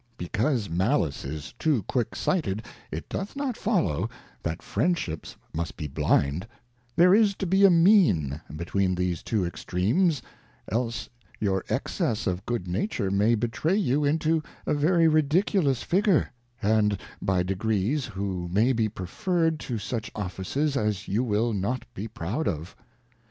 fSecaMSS Malice is too quick sighted, it doth not Jfgllqw, t{jat_ Friendship must be ,feSafif,: There is to be a Mean between tlSese two Extremes, else your Excess of Good Nature may betray you into a very ridiculous Figure, and by degrees who may be preferr'd to such Offices as you will npt be proud of